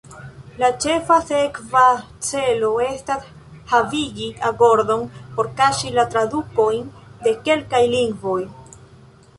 La ĉefa sekva celo estas havigi agordon por kaŝi la tradukojn de kelkaj lingvoj.